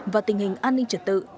và tình hình an ninh trật tự